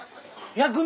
薬味？